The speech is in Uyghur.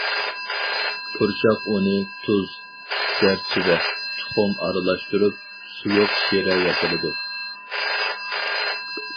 پۇرچاق ئۇنى، تۇز، زەرچىۋە، تۇخۇم ئارىلاشتۇرۇپ سۇيۇق شىرە ياسىلىدۇ.